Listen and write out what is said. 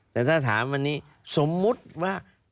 แต่ถ้าถามวันนี้สมมุติว่า